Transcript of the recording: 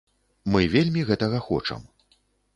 Мы вельмі гэтага хочам.